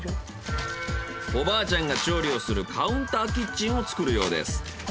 おばあちゃんが調理をするカウンターキッチンを作るようです。